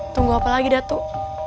tunggu apa lagi datuk